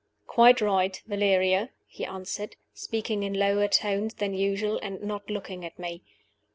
"Quite right, Valeria," he answered speaking in lower tones than usual, and not looking at me.